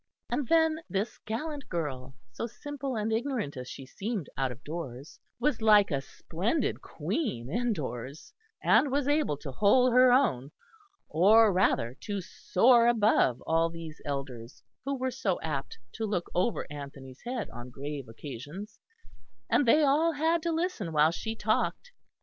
And then this gallant girl, so simple and ignorant as she seemed out of doors, was like a splendid queen indoors, and was able to hold her own, or rather to soar above all these elders who were so apt to look over Anthony's head on grave occasions; and they all had to listen while she talked.